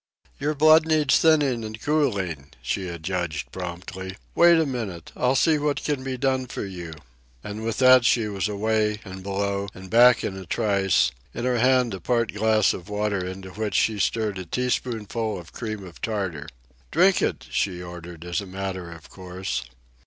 "Your blood needs thinning and cooling," she adjudged promptly. "Wait a minute. I'll see what can be done for you." And with that she was away and below and back in a trice, in her hand a part glass of water into which she stirred a teaspoonful of cream of tartar. "Drink it," she ordered, as a matter of course.